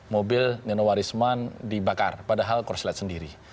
mobil nino warisman dibakar padahal kurslet sendiri